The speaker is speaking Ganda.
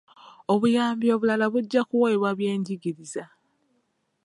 Obuyambi obulala bujja kuweebwa byenjigiriza.